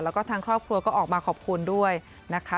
แล้วก็ทางครอบครัวก็ออกมาขอบคุณด้วยนะคะ